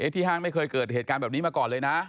ห้างไม่เคยเกิดเหตุการณ์แบบนี้มาก่อนเลยนะ